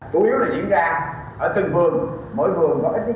cứu yếu là diễn ra ở từng vườn mỗi vườn có ít nhất hai điểm